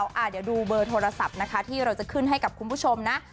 เดี๋ยวดูเบอร์โทรศัพท์นะคะที่เราจะขึ้นให้กับคุณผู้ชมนะ